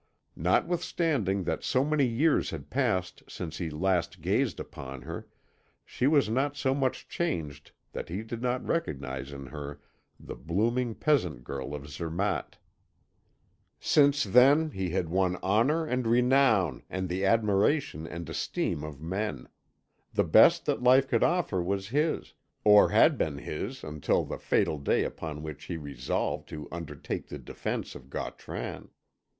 Notwithstanding that so many years had passed since he last gazed upon her, she was not so much changed that he did not recognise in her the blooming peasant girl of Zermatt. Since then he had won honour and renown and the admiration and esteem of men; the best that life could offer was his, or had been his until the fatal day upon which he resolved to undertake the defence of Gautran.